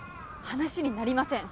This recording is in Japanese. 話になりません。